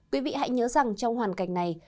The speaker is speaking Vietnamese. quý vị hãy nhớ rằng trong hoàn cảnh này